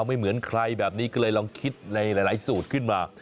ไม่เหมือนใครแบบนี้ก็เลยลองคิดในหลายสูตรขึ้นมา